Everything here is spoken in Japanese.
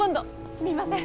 すみません。